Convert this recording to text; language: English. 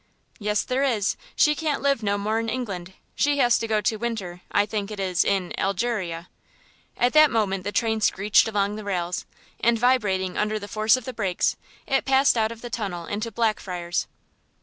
"Yes, there is: she can't live no more in England; she has to go to winter, I think it is, in Algeria." At that moment the train screeched along the rails, and vibrating under the force of the brakes, it passed out of the tunnel into Blackfriars.